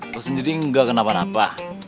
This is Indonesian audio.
lo sendiri nggak kenapa napa